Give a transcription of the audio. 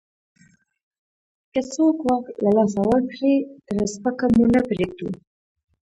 که څوک واک له لاسه ورکړي، ترې سپکه مو نه پرېږدو.